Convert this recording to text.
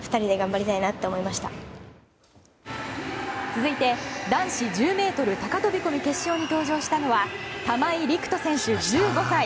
続いて、男子１０ｍ高飛込決勝に登場したのは玉井陸斗選手、１５歳。